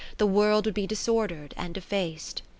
The World would be disorder'd and defac'd.